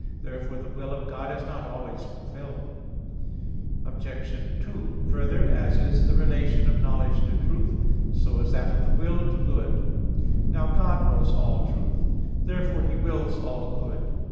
Therefore the will of God is not always fulfilled. Obj. 2: Further, as is the relation of knowledge to truth, so is that of the will to good. Now God knows all truth. Therefore He wills all good.